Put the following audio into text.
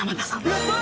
やった！